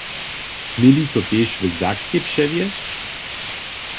Měli to tež w Sakskej přewjesć?